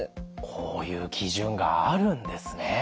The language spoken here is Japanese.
こういう基準があるんですね。